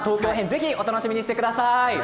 ぜひお楽しみにしてください。